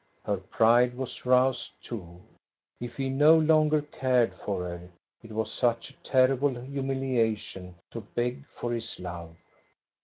Her pride was roused too. If he no longer cared for her, it was such a terrible humiliation to beg for his love.